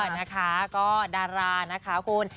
นะคะก็ดารานะคะคุณ